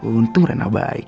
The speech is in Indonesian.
untung rena baik